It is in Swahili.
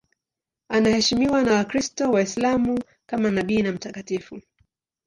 Anaheshimiwa na Wakristo na Waislamu kama nabii na mtakatifu.